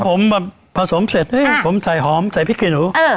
ผมแบบผสมเสร็จผมใส่หอมใส่พริกขี้หนู